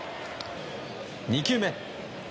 ２球目。